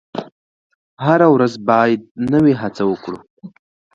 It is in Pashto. هره ورځ باید نوې هڅه وکړو.